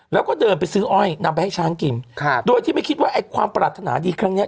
แล้วก็เดินไปซื้ออ้อยนำไปให้ช้างกินครับโดยที่ไม่คิดว่าไอ้ความปรารถนาดีครั้งเนี้ย